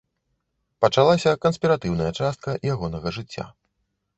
Пачалася канспіратыўная частка ягонага жыцця.